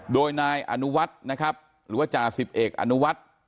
โดยนายอนุวัฒน์นะครับหรือว่าจ่าสิบเอกอนุวัฒน์